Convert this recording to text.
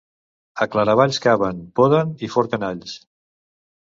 A Claravalls caven, poden i forquen alls.